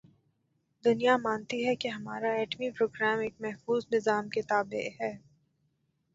دنیا مانتی ہے کہ ہمارا ایٹمی پروگرام ایک محفوظ نظام کے تابع ہے۔